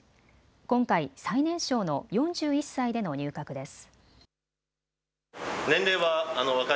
今回、最年少の４１歳での入閣です。